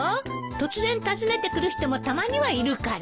突然訪ねてくる人もたまにはいるから。